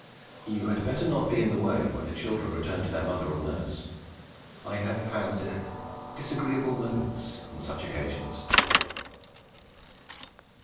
You had better not be in the way when the children return to their mother or nurse. I have had disagreeable moments on such occasions.